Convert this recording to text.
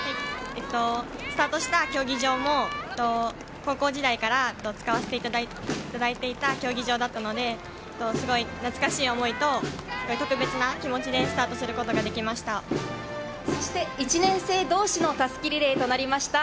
スタートした競技場も高校時代から使わせていただいた競技場だったので、すごい懐かしい思いと、特別な気持ちでスタートすることができました。